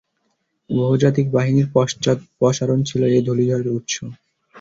বহুজাতিক বাহিনীর পশ্চাদপসারণ ছিল এ ধূলিঝড়ের উৎস।